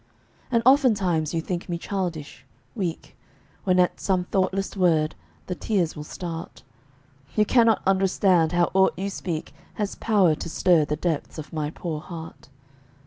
And oftentimes you think me childish weak When at some thoughtless word the tears will start; You cannot understand how aught you speak Has power to stir the depths of my poor heart.